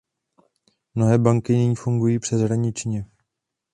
Mnohé banky nyní fungují přeshraničně.